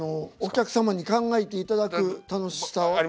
お客様に考えていただく楽しさを。